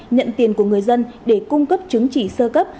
nhận tiền của người dân để cung cấp chứng chỉ sơ cấp